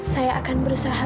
saya akan berusaha